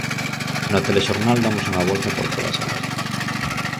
No telexornal damos unha volta por todas elas.